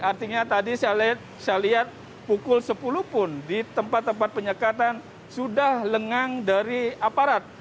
artinya tadi saya lihat pukul sepuluh pun di tempat tempat penyekatan sudah lengang dari aparat